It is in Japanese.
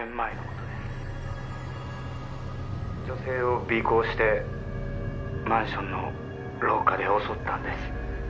「女性を尾行してマンションの廊下で襲ったんです」